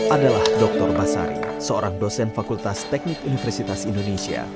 adalah dr basari seorang dosen fakultas teknik universitas indonesia